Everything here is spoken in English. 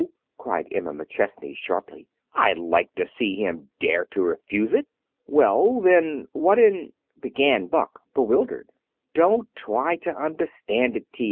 cried Emma McChesney sharply. "I'd like to see him dare to refuse it!" "Well then, what in " began Buck, bewildered. "Don't try to understand it, T.